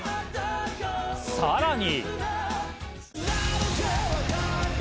さらに。